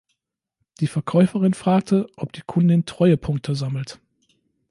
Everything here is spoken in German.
Die Verkäuferin fragte, ob die Kundin Treuepunkte sammelt.